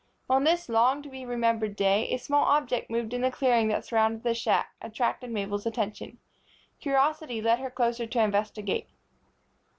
On this long to be remembered day, a small object moving in the clearing that surrounded the shack attracted Mabel's attention. Curiosity led her closer to investigate.